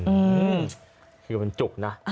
อื้อหือคือมันจุกนะ